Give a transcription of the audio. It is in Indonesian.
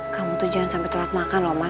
kamu tuh jangan sampai terlalu makan mas